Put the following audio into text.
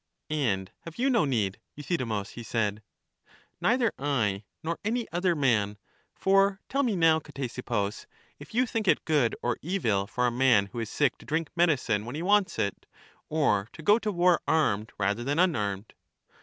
And have you no need, Euthydemus ? he said. ^N'either I nor any other man; for tell me now, Ctesippus, if you think it good or evil for a man who is sick to drink medicine when he wants it; or to go to war armed rather than unarmed.